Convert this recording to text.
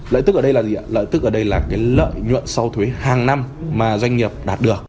lợi tức ở đây là lợi nhuận sau thuế hàng năm mà doanh nghiệp đạt được